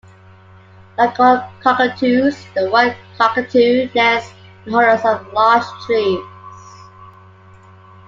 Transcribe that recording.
Like all cockatoos, the white cockatoo nests in hollows of large trees.